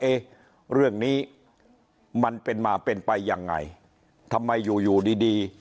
เอ๊ะเรื่องนี้มันเป็นมาเป็นไปยังไงทำไมอยู่อยู่ดีดี